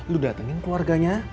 lu datengin keluarganya